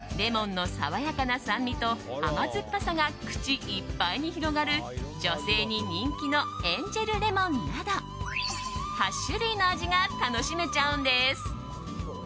甘さ控えめで食事にもピッタリのかぼちゃチーズやレモンの爽やかな酸味と甘酸っぱさが口いっぱいに広がる女性に人気のエンジェルレモンなど８種類の味が楽しめちゃうんです。